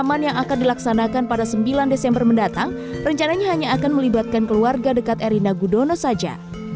pemahaman yang akan dilaksanakan pada sembilan desember mendatang rencananya hanya akan melibatkan keluarga dekat erina gudono saja